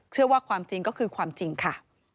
ความจริงก็คือความจริงค่ะ